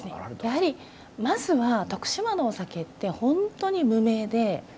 やはりまずは徳島のお酒ってホントに無名で。